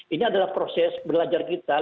ini adalah proses belajar kita